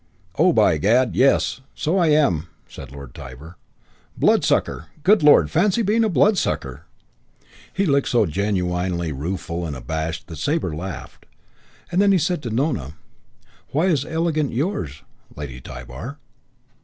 "Oh, by gad, yes, so I am," said Lord Tybar. "Bloodsucker! Good lord, fancy being a bloodsucker!" He looked so genuinely rueful and abashed that Sabre laughed; and then said to Nona, "Why is elegant 'yours', Lady Tybar?"